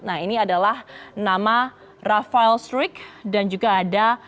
nah ini adalah nama rafael strik dan juga ada